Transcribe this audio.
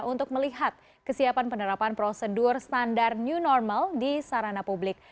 untuk melihat kesiapan penerapan prosedur standar new normal di sarana publik